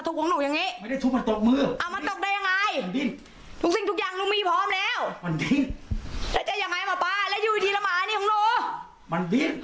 คุณปุ้ยอายุ๓๒นางความร้องไห้พูดคนเดี๋ยว